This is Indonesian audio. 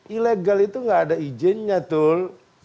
ilegal itu gak ada izinnya tul